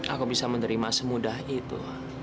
aku bisa menerima semudah itu